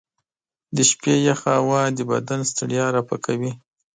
د شپې یخه هوا د بدن ستړیا رفع کوي.